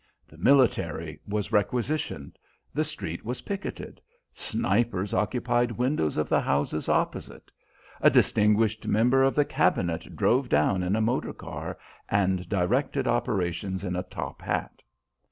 The military was requisitioned. The street was picketed. Snipers occupied windows of the houses opposite. A distinguished member of the Cabinet drove down in a motor car, and directed operations in a top hat.